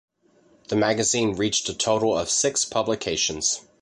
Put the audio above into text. The magazine reached a total of six publications.